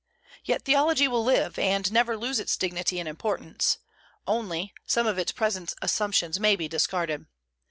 Yet theology will live, and never lose its dignity and importance; only, some of its present assumptions may be discarded.